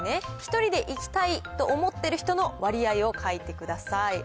１人で行きたいと思ってる人の割合を書いてください。